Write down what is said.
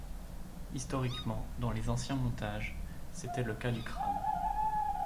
Historiquement, dans les anciens montages, c'était le cas du crâne.